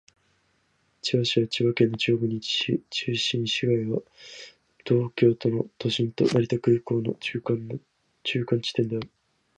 千葉市は千葉県の中央部に位置し、中心市街地は東京都の都心と成田国際空港の中間地点である。